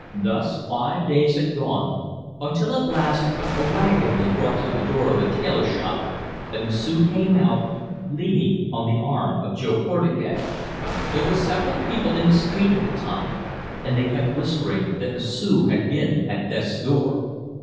Thus five days had gone, until at last a wagon was brought to the door of the tailor shop, and M'sieu' came out, leaning on the arm of Jo Portugais. There were several people in the street at the time, and they kept whispering that M'sieu' had been at death's door.